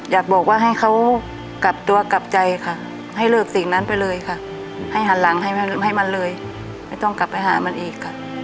อยากบอกว่าให้เขากลับตัวกลับใจค่ะให้เลิกสิ่งนั้นไปเลยค่ะให้หันหลังให้มันเลยไม่ต้องกลับไปหามันอีกค่ะ